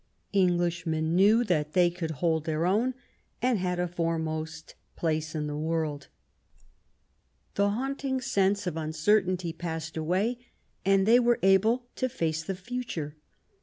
Englishmen knew that they could hold their own, and had a foremost place 240 QUEEN ELIZABETH, in the world. The haunting sense of uncertainty passed away, and they were able to face the future.